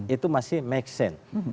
itu masih make sense